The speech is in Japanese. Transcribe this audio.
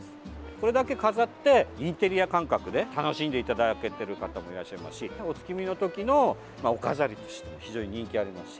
これだけ飾ってインテリア感覚で楽しんでいただけている方もいらっしゃいますしお月見の時のお飾りとしても非常に人気ありますし。